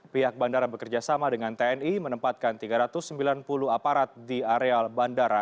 pihak bandara bekerja sama dengan tni menempatkan tiga ratus sembilan puluh aparat di areal bandara